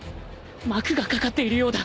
膜がかかっているようだ